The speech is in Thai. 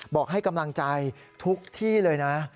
บอกให้กำลังใจทุกที่เลยนะ